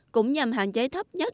cũng nhằm hạn chế thấp nhất